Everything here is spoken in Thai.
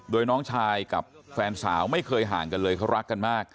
โดยน้องชายกับแฟนสาวไม่เคยห่างกันเลยเขารักกันมาก